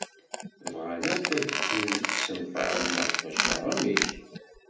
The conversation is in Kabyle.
Bɣan akk ad kkin deg yisenfaṛen-a maca amek?